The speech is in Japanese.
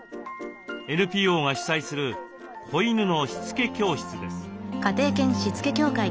ＮＰＯが主催する子犬のしつけ教室です。